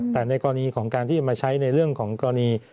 แต่ในกรณีของการที่จะมาใช้ในเรื่องของกรณี